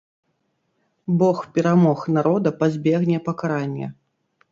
Бог перамог народа пазбегне пакарання.